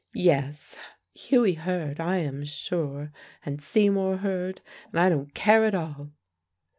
Yes: Hughie heard, I am sure, and Seymour heard, and I don't care at all."